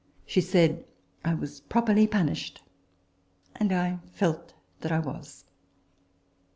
She said I was properly punished, and I felt that I was.